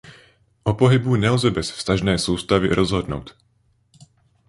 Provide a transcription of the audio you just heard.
O pohybu nelze bez vztažné soustavy rozhodnout.